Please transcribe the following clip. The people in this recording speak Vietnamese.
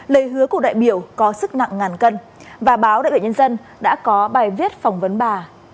lời hứa của đại biểu có sức nặng ngàn cân và báo đại biểu nhân dân đã có bài viết phỏng vấn bà